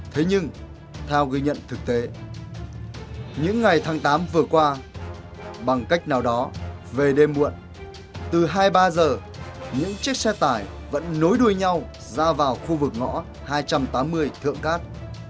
thế nhưng theo ghi nhận thực tế những ngày tháng tám vừa qua bằng cách nào đó về đêm muộn từ hai mươi ba h những chiếc xe tải vẫn nối đuôi nhau ra vào khu vực ngõ hai trăm tám mươi thượng cát